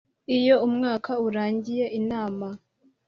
Iyo umwaka urangiye Inama